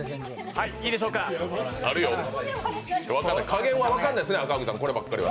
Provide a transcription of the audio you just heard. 加減は分からないですよね、こればっかりは。